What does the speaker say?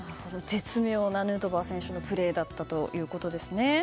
絶妙なヌートバー選手のプレーだったということですね。